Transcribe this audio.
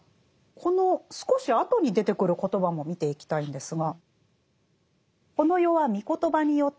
この少し後に出てくる言葉も見ていきたいんですが。